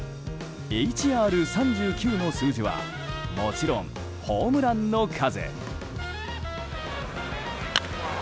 ＨＲ３９の数字はもちろんホームランの数。